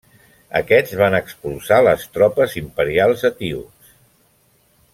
Aquests van expulsar les tropes imperials etíops.